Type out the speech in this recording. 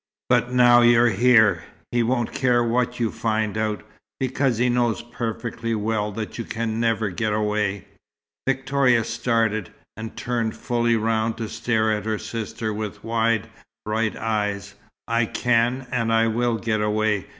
But now you're here, he won't care what you find out, because he knows perfectly well that you can never get away." Victoria started, and turned fully round to stare at her sister with wide, bright eyes. "I can and I will get away!"